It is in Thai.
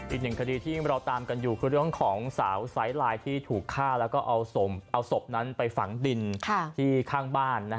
อีกหนึ่งคดีที่เราตามกันอยู่คือเรื่องของสาวไซส์ไลน์ที่ถูกฆ่าแล้วก็เอาศพนั้นไปฝังดินที่ข้างบ้าน